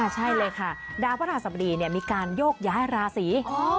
ใช่เลยค่ะดาวพระราชสบดีมีการโยกย้ายราศี